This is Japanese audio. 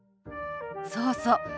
そうそう。